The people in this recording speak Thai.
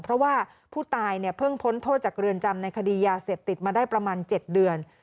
เพราะว่าผู้ตายเนี่ยเพิ่งพ้นโทษจากเรือนจำในคดียาเสพติดมาได้ประมาณ๗เดือน